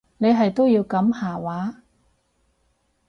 你係都要噉下話？